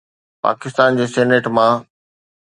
پاڪستان جي سينيٽ مان.